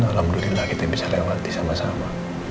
alhamdulillah kita bisa lewati sama sama